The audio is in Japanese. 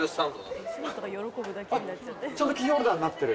ちゃんとキーホルダーになってる。